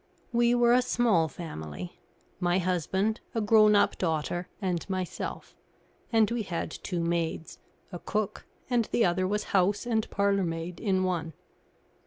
We were a small family my husband, a grown up daughter, and myself; and we had two maids a cook, and the other was house and parlourmaid in one.